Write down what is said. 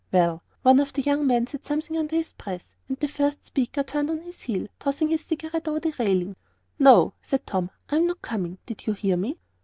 Well " One of the young men said something under his breath, and the first speaker turned on his heel, tossing his cigarette over the railing. "No," said Tom, "I'm not coming. Did you hear me?"